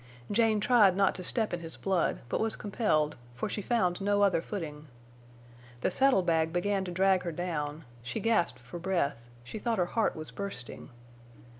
Jane tried not to step in his blood, but was compelled, for she found no other footing. The saddle bag began to drag her down; she gasped for breath, she thought her heart was bursting.